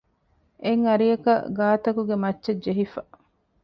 އެއް އަރިއަކަށް ގާތަކުގެ މައްޗަށް ޖެހިފަ